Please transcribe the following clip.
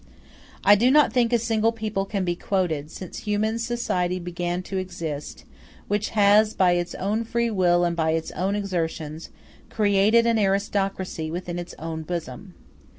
I do not think a single people can be quoted, since human society began to exist, which has, by its own free will and by its own exertions, created an aristocracy within its own bosom.